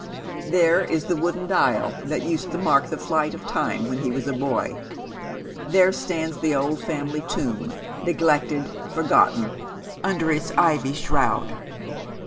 There is the wooden dial that used to mark the flight of time when he was a boy. There stands the old family tomb, neg lected, forgotten, under its ivy shroud.